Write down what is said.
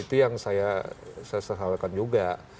itu yang saya sesalkan juga